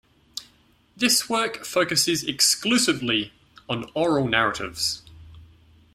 This work focuses exclusively on oral narratives.